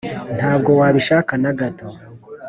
ntabwo wabishaka nagato